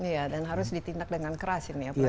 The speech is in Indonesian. iya dan harus ditindak dengan keras ini ya